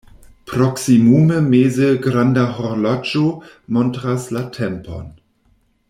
Proksimume meze granda horloĝo montras la tempon.